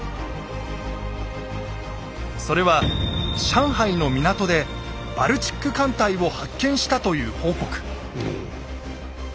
それは上海の港でバルチック艦隊を発見したという報告。